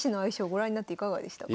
ご覧になっていかがでしたか？